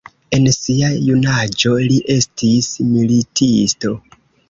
En sia junaĝo li estis militisto.